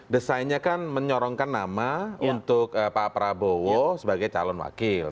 desainnya kan menyorongkan nama untuk pak prabowo sebagai calon wakil